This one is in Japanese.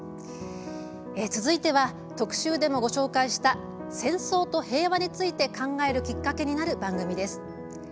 続いては、特集でもご紹介した戦争と平和について考えるきっかけになる番組です。